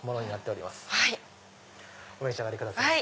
お召し上がりください。